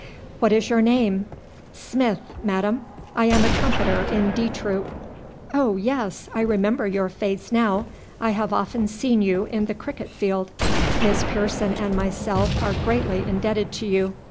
"What is your name?" "Smith, madam. I am a trumpeter in D troop." "Oh, yes! I remember your face now. I have often seen you in the cricket field. Miss Pearson and myself are greatly indebted to you.